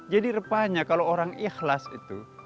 jadi repanya kalau orang ikhlas itu